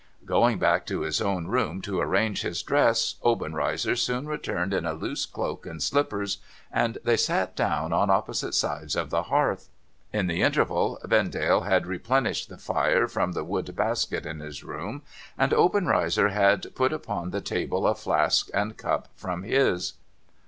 Going back to his room to arrange his dress, Obenreizer soon returned in a loose cloak and slippers, and they sat down on opposite sides of the hearth. In the interval Vendale had replenished the fire from the wood basket in his room, and Obenreizer had put upon the table a flask and cup from his.